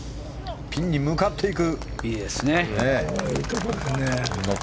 ピンに向かっていく。